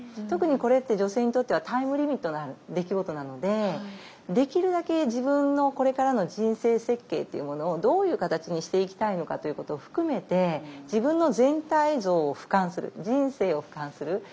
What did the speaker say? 特にこれって女性にとってはタイムリミットのある出来事なのでできるだけ自分のこれからの人生設計っていうものをどういう形にしていきたいのかということを含めて自分の全体像をふかんする人生をふかんする。